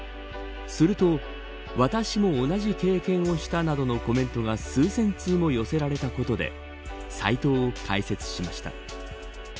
すると私も同じ経験をしたなどのコメントが数千通も寄せられたことでサイトを開設しました。